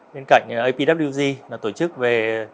bên cạnh apwg là tổ chức về